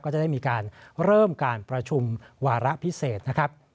ก็จะได้มีการเริ่มการประชุมวาระพิเศษนะครับ